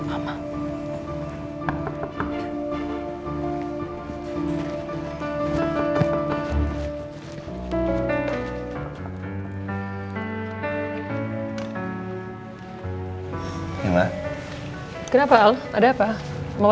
orang aku sudah berharga somebaga